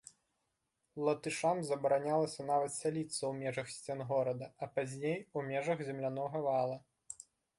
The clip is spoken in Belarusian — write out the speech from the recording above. Латышам забаранялася нават сяліцца ў межах сцен горада, а пазней, у межах землянога вала.